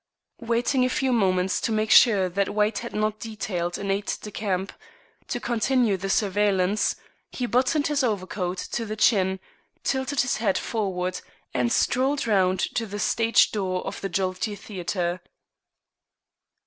Waiting a few moments to make sure that White had not detailed an aide de camp to continue the surveillance, he buttoned his overcoat to the chin, tilted his hat forward, and strolled round to the stage door of the Jollity Theatre.